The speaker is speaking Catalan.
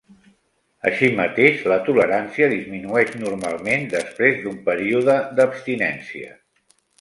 Així mateix, la tolerància disminueix normalment després d'un període d'abstinència.